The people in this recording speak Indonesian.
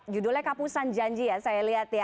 judulnya kapusan janji ya saya lihat ya